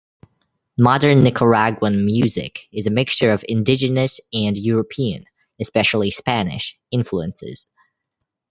Modern Nicaraguan music is a mixture of indigenous and European, especially Spanish, influences.